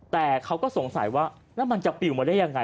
แต่เขาก็สงสัยว่าแล้วมันจะปิวมาได้ยังไง